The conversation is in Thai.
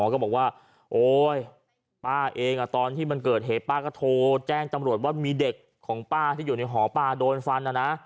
ก็บอกว่าโอ๊ยป้าเองตอนที่มันเกิดเหตุป้าก็โทรแจ้งตำรวจว่ามีเด็กของป้าที่อยู่ในหอป้าโดนฟันนะนะ